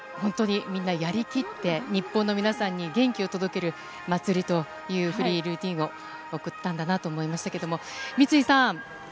あらためて本当にみんなやりきって、日本の皆さんに元気を届ける「祭」というフリールーティンをおくったんだなと思いました。